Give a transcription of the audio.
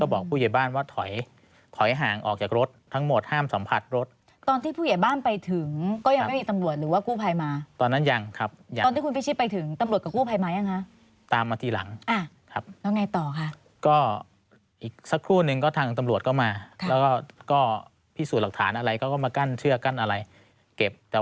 บอกผู้ใหญ่บ้านว่าถอยถอยห่างออกจากรถทั้งหมดห้ามสัมผัสรถตอนที่ผู้ใหญ่บ้านไปถึงก็ยังไม่มีตำรวจหรือว่ากู้ภัยมาตอนนั้นยังครับยังตอนที่คุณพิชิตไปถึงตำรวจกับกู้ภัยมายังคะตามมาทีหลังอ่ะครับแล้วไงต่อค่ะก็อีกสักครู่นึงก็ทางตำรวจก็มาแล้วก็พิสูจน์หลักฐานอะไรเขาก็มากั้นเชือกกั้นอะไรเก็บแต่